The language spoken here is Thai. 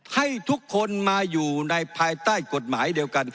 ให้ทุกคนมาอยู่ในภายใต้กฎหมายเดียวกัน